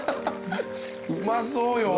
うまそうよ。